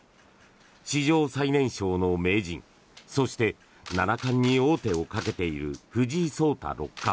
史上最年少の名人そして、七冠に王手をかけている藤井聡太六冠。